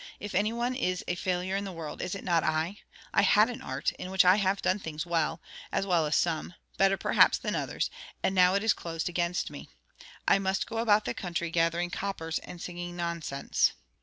'If any one is a failure in the world, is it not I? I had an art, in which I have done things well—as well as some—better perhaps than others; and now it is closed against me. I must go about the country gathering coppers and singing nonsense.